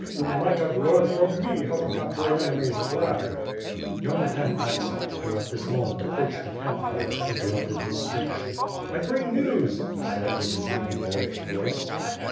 You might have learned from me haw to capture an enemy's flag." Young Pan Aksak, who at this moment approached the camp fire, interrupted his speech. '*I bring news," he said, with his ringing boyish voice.